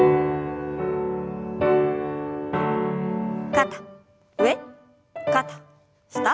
肩上肩下。